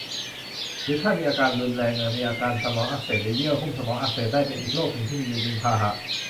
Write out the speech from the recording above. หรือถ้ามีอาการรุนแรง จะมีอาการสมองอักเสบ หรือเยื่อหุ้มสมองอักเสบได้ เป็นอีกหนึ่งโรคที่มียุงเป็นพาหะ